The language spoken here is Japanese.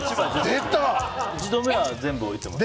１度目は全部置いてます。